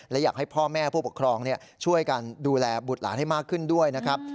และอยากให้พ่อแม่ผู้ปกครองช่วยกันดูแลบุตรหลานให้มากขึ้นด้วยนะครับ